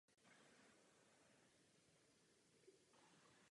White Cloud Mountains je součástí severních amerických Skalnatých hor.